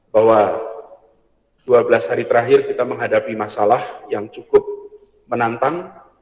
bahwa dua belas hari terakhir kita menghadapi masalah yang cukup menantang